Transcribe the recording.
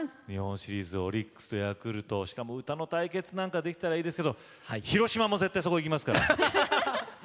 日本シリーズでオリックスとヤクルトしかも歌の対決なんかできたらいいですけど広島も絶対そこいきますから！